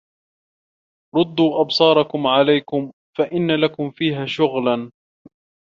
رُدُّوا أَبْصَارَكُمْ عَلَيْكُمْ فَإِنَّ لَكُمْ فِيهَا شُغْلًا